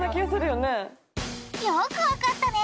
よくわかったね！